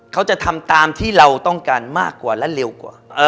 เขาจะทำตามที่เราต้องการมากกว่าและเร็วกว่า